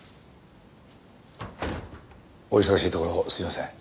お忙しいところすいません。